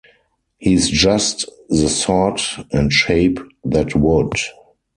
He's just the sort and shape that would.